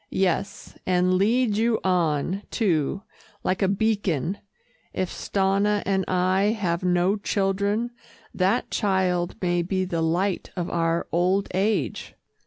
"Yes, and leads you on, too, like a beacon. If Stanna and I have no children, that child may be the light of our old age."